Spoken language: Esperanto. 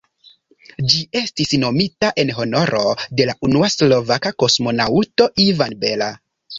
Ĝi estis nomita en honoro de la unua slovaka kosmonaŭto Ivan Bella.